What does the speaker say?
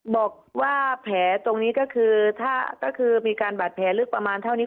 บอกว่าแผลตรงนี้ก็คือถ้าก็คือมีการบาดแผลลึกประมาณเท่านี้